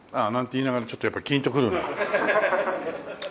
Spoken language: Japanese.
言いながらちょっとやっぱキーンとくるな。